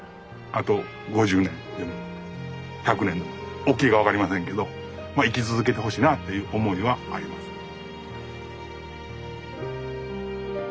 あと５０年でも１００年でもおっきいか分かりませんけどまあ生き続けてほしいなあっていう思いはあります。